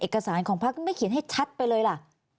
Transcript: เอกสารของพักไม่เขียนให้ชัดไปเลยล่ะ